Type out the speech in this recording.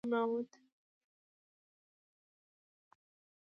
بزګر ته هر حاصل نوې خوشالي ده